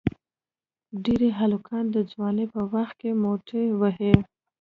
ډېری هلکان د ځوانی په وخت کې موټی وهي.